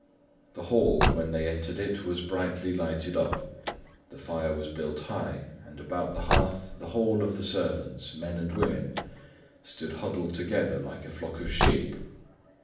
The hall, when they entered it, was brightly lighted up; the fire was built high; and about the hearth the whole of the servants, men and women, stood huddled together like a flock of sheep.